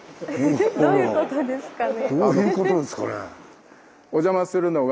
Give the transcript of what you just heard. どういうことですかね？